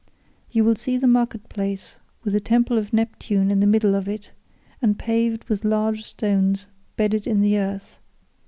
You will see the market place with a temple of Neptune in the middle of it, and paved with large stones bedded in the earth.